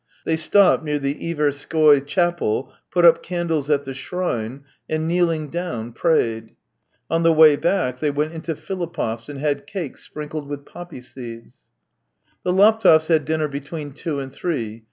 They stopped near the Iverskoy chapel, put up candles at the shrine, and, kneeling down, prayed. On the way back they went into Filippov's, and had cakes sprinkled wnth poppy seeds. The Laptevs had dinner between two and three.